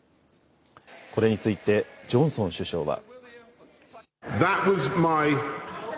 これについてジョンソン首相は。